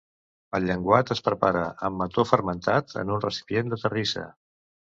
El llenguat es prepara amb mató fermentat en un recipient de terrissa.